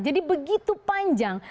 jadi begitu panjang